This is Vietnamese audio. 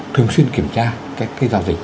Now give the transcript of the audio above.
thường xuyên kiểm tra các cái giao dịch